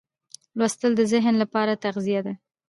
لوستل د ذهن لپاره تغذیه ده.